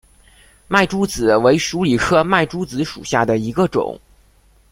麦珠子为鼠李科麦珠子属下的一个种。